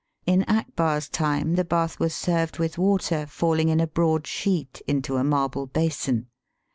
In Akbar's time the bath was served with water falling in a broad sheet into a marble basin.